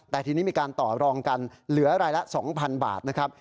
แต่ทีนี้มีการต่อรองกันเหลือรายละ๒๐๐๐บาทนะครับ